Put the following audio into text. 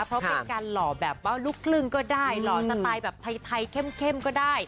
เพราะเป็นการหล่อแบบว่าลูกครึ่งก็ได้หล่อสไตล์แบบไทยเข้มก็ได้